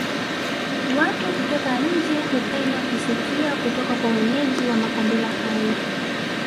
Watu kutoka nje hupenda kusikia kutoka kwa wenyeji wa makabila hayo